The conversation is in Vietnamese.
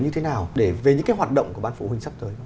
như thế nào để về những cái hoạt động của ban phụ huynh sắp tới